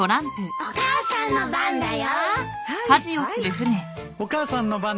お母さんの番だよ。